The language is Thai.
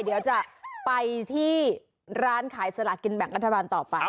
เดี๋ยวจะไปที่ร้านขายสลากินแบ่งรัฐบาลต่อไป